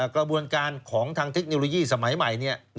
กระบวนการของทางเทคโนโลยีสมัยใหม่